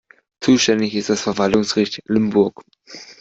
Zuständig ist das Verwaltungsgericht Limburg.